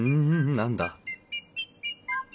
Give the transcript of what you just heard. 何だ？